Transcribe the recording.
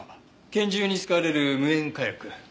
拳銃に使われる無煙火薬。